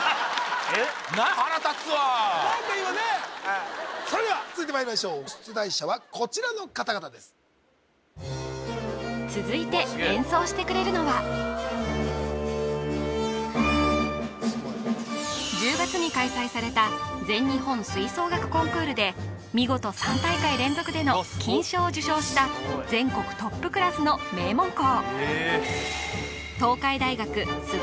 腹立つわ何か今ねそれでは続いてまいりましょう出題者はこちらの方々です続いて演奏してくれるのは１０月に開催された全日本吹奏楽コンクールで見事３大会連続での金賞を受賞した全国トップクラスの名門校